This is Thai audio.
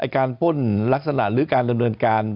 การป้นลักษณะหรือการเริ่มเริ่มการ